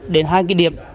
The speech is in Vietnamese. một đến hai cái điểm